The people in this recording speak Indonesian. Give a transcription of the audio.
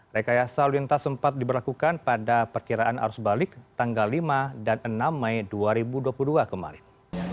rekayasa lalu lintas sempat diberlakukan pada perkiraan arus balik tanggal lima dan enam mei dua ribu dua puluh dua kemarin